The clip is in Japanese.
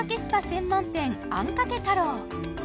専門店あんかけ太郎